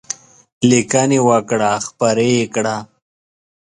لیکنې وکړه خپرې یې کړه.